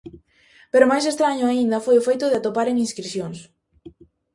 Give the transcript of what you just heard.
Pero máis estraño, aínda, foi o feito de atoparen inscricións.